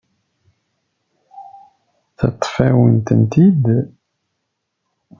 Teṭṭef-awen-tent-id.